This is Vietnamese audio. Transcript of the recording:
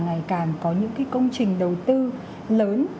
ngày càng có những công trình đầu tư lớn